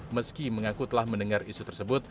meski mengaku telah mendengar isu tersebut